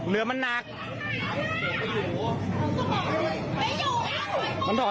เรือลำนี้นะครับโดน